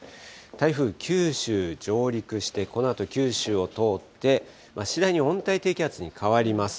台風、九州上陸して、このあと九州を通って、次第に温帯低気圧に変わります。